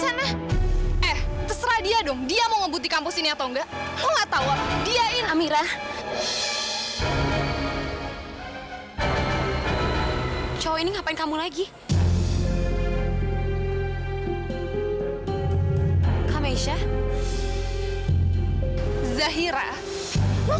anak dari cewek murahan yang udah ngerebut papa aku dari mama aku